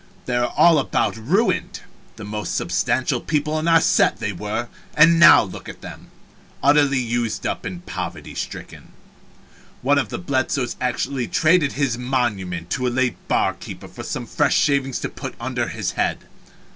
They are all about ruined. The most substantial people in our set, they were. And now look at them utterly used up and poverty stricken. One of the Bledsoes actually traded his monument to a late barkeeper for some fresh shavings to put under his head.